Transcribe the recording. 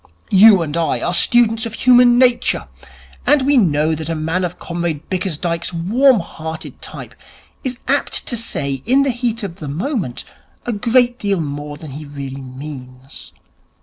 You and I are students of human nature, and we know that a man of Comrade Bickersdyke's warm hearted type is apt to say in the heat of the moment a great deal more than he really means.